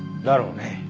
だろうね。